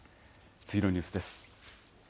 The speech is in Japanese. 次のニュースです。